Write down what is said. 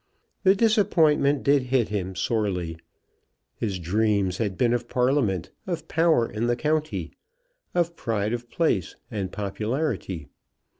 The disappointment did hit him sorely. His dreams had been of Parliament, of power in the county, of pride of place, and popularity.